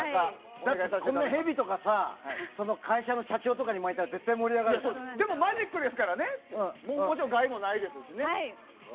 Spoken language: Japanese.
だって、こんなヘビとか会社の社長に巻いたらでも、マジックですからもちろん害もないですしね。